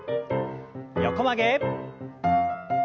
横曲げ。